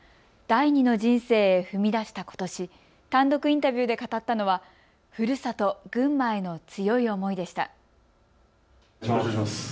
第２の人生へ踏み出したことし、単独インタビューで語ったのはふるさと群馬への強い思いでした。